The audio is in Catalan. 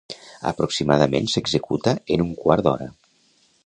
Aproximadament s'executa en un quart d'hora.